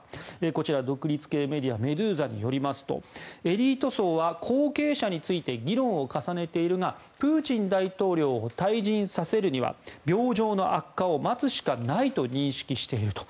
こちら、独立系メディアメドゥーザによりますとエリート層は後継者について議論を重ねているがプーチン大統領を退陣させるには病状の悪化を待つしかないと認識していると。